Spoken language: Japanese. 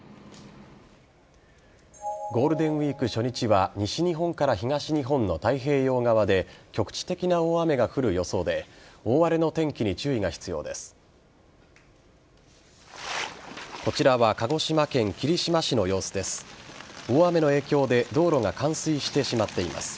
ゴールデンウイーク初日は西日本から東日本の太平洋側で局地的な大雨が降る予想で大荒れの天気に注意が必要です。